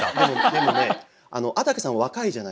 でもね安宅さん若いじゃないですか。